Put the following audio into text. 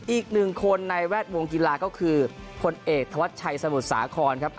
อีกหนึ่งคนในแวดวงกีฬาก็คือพลเอกธวัชชัยสมุทรสาครครับ